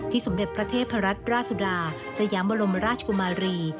ที่สมเด็จประเทศพระรัชราชุดาสยามบรมราชกุมารี